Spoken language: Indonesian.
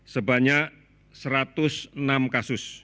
sebanyak satu ratus enam kasus